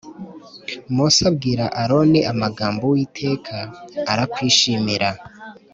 Mose abwira Aroni amagambo Uwiteka arakwishimira